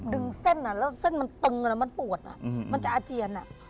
ดึงเส้นแล้วเส้นมันตึงแล้วมันปวดมันจะอาเจียน